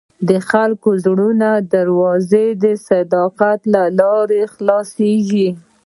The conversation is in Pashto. د خلکو د زړونو دروازې د صداقت له لارې خلاصېږي.